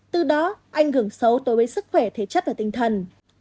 từ đó anh gừng xấu tối với sức khỏe thể chất và tinh thần